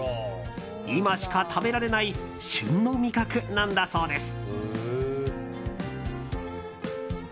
今しか食べられない旬の味覚なんだそうです。